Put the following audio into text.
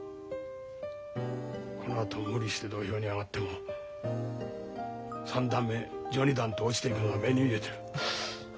このあと無理して土俵に上がっても三段目序二段と落ちていくのは目に見えてる。